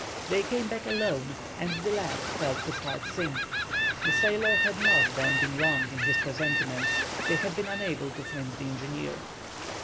They came back alone, and the lad felt his heart sink. The sailor had not, then, been wrong in his presentiments; they had been unable to find the engineer.